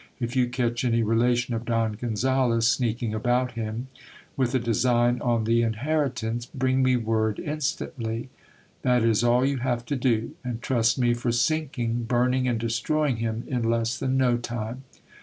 If you catch any relation of Don Gonzales sneaking about him, with a design on the inheritance, bring me word instantly : that is all you have to do, and trust me for sinking, burning, and destroying him in less than no time.